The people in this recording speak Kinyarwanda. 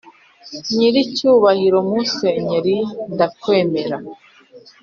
nyiricyubahiro musenyeri ndakwemera